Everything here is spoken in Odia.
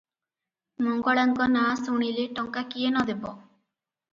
ମଙ୍ଗଳାଙ୍କ ନାଁ ଶୁଣିଲେ ଟଙ୍କା କିଏ ନ ଦେବ?